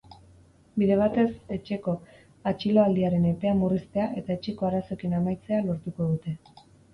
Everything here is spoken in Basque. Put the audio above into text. Bide batez, etxeko atxiloaldiaren epea murriztea eta etxeko arazoekin amaitzea lortuko dute.